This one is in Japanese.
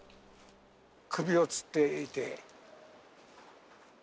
首をつっていて。